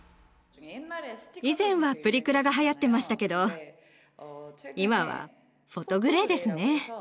以前はプリクラがはやってましたけど今は「フォトグレイ」ですね。